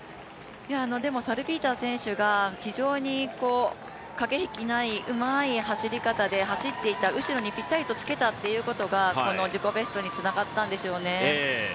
サルピーター選手が非常に駆け引きのないうまい走り方で走っていた後にぴったりとつけたということが、自己ベストにつながったんでしょうね。